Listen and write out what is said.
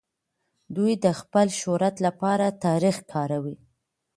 دوی د خپل شهرت لپاره تاريخ کاروي.